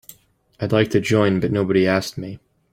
I'd like to join but nobody asked me.